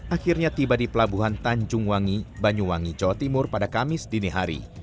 akhirnya tiba di pelabuhan tanjungwangi banyuwangi jawa timur pada kamis dini hari